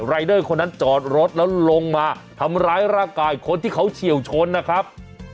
รายเดอร์คนนั้นจอดรถแล้วลงมาทำร้ายร่างกายคนที่เขาเฉียวชนนะครับ